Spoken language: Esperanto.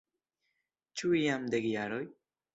Ĉu jam dek jaroj?